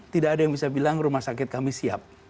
tidak ada yang bisa bilang rumah sakit kami siap